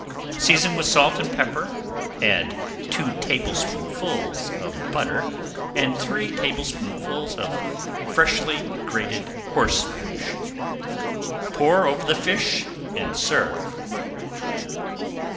Season with salt and pepper, add two tablespoonfuls of butter and three tablespoonfuls of freshly grated horseradish. Pour over the fish, and serve.